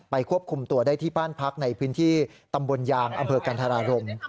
ไปควบคุมตัวได้ที่พ่านพักในพื้นที่ตำบลยางอกรรภารม